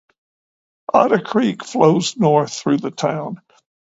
Otter Creek flows north through the town.